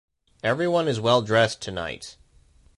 Everyone is well dressed tonight.